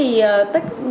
tất cả các học sinh